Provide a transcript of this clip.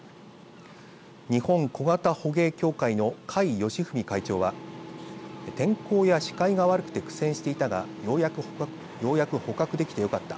日本小型捕鯨協会の貝良文会長は天候や視界が悪くて苦戦していたがようやく捕獲できてよかった。